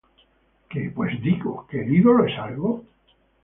¿Qué pues digo? ¿Que el ídolo es algo?